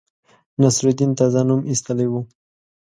نصرالدین تازه نوم ایستلی وو.